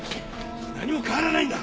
何も変わらないんだ！